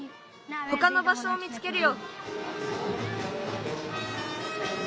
ほかのばしょを見つけるよ。